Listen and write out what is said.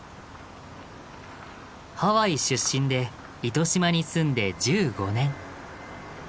ハワイ出身で糸島に住んで１５年。